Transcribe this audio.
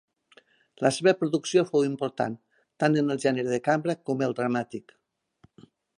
La seva producció fou important tant en el gènere de cambra com el dramàtic.